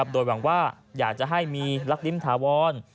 โดยหวังว่าอยากจะให้มีลักลิ้มถาวร